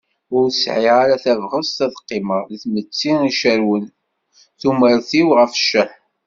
Ur sɛiɣ ara tabɣest ad qqimeɣ deg tmetti icerwen tumert-iw ɣef cceḥ.